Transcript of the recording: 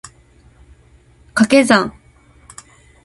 掛け算